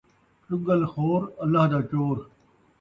چُڳل خور ، اللہ دا چور